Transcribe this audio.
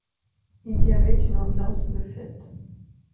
Il y avait une ambiance de fête.